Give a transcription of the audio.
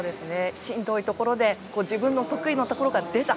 しんどいところで自分の得意のところが出た。